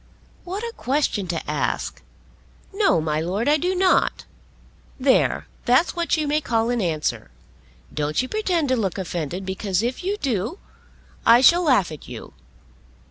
"What a question to ask! No; my Lord, I do not. There; that's what you may call an answer. Don't you pretend to look offended, because if you do, I shall laugh at you.